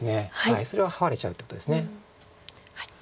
それはハワれちゃうっていうことです。